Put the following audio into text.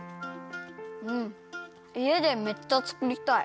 いえでめっちゃつくりたい。